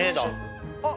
あっ！